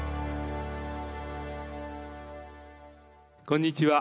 こんにちは。